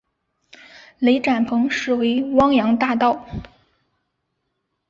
雷展鹏实为汪洋大盗。